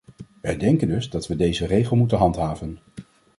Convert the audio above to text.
Wij denken dus dat we deze regel moeten handhaven.